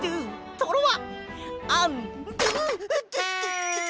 トロワ。